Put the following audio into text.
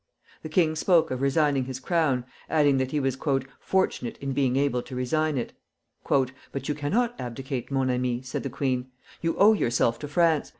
The king spoke of resigning his crown, adding that he was "fortunate in being able to resign it." "But you cannot abdicate, mon ami," said the queen. "You owe yourself to France.